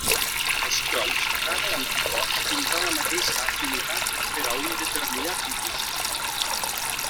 Així doncs, cada anticòs tindrà la mateixa afinitat per a un determinat antigen.